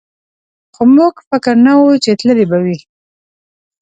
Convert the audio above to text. خو موږ فکر نه کوو چې تللی به وي.